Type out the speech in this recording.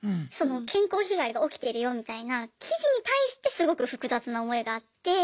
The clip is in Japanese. その健康被害が起きてるよみたいな記事に対してすごく複雑な思いがあって。